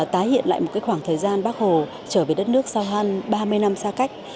tái hiện lại một khoảng thời gian bác hồ trở về đất nước sau hơn ba mươi năm xa cách